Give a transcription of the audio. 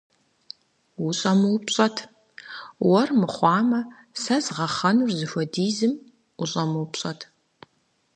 УщӀэмыупщӀэт, уэр мыхъуамэ, сэ згъэхъэнур зыхуэдизым, ущӀэмыупщӀэт!..